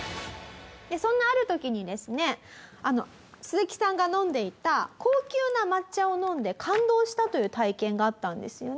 そんなある時にですね鈴木さんが飲んでいた高級な抹茶を飲んで感動したという体験があったんですよね。